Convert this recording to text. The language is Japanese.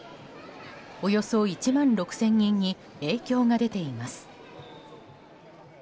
およそ１万６０００人に影響が出ています。